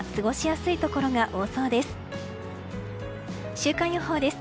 週間予報です。